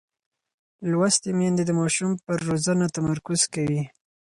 لوستې میندې د ماشوم پر روزنه تمرکز کوي.